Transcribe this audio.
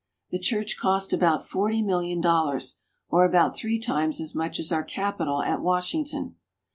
The church cost about forty million dollars, or about three times as much as our Capitol at Washington.